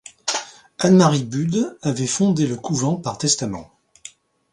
Anne-Marie Budes avait fondé le couvent par testament.